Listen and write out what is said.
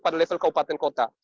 pada level keupatan kota